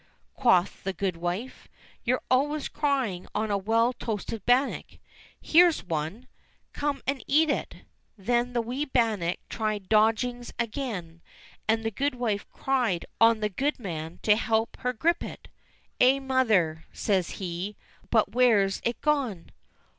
quoth the goodwife, "you're always crying on a well toasted bannock. Here's one ! Come and eat it !" Then the wee bannock tried dodgings again, and the goodwife cried on the goodman to help her grip it. "Aye, mother !" says he, "but where's it gone